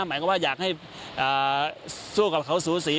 หมายความว่าอยากให้สู้กับเขาสูสี